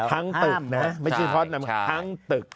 ทั้งตึกไม่ใช่เพราะทั้งตึก